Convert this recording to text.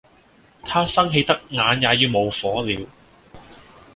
他生氣得眼也要冒火了